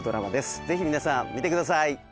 ぜひ皆さん見てください。